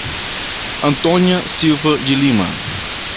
Antônia Silva de Lima